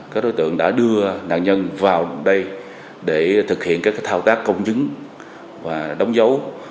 các đối tượng đã đưa nạn nhân vào đây để thực hiện các thao tác công chứng và đóng dấu